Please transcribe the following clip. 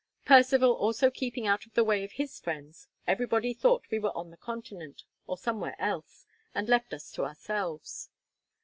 Percivale also keeping out of the way of his friends, everybody thought we were on the Continent, or somewhere else, and left us to ourselves.